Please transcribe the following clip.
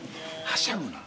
はしゃぐな。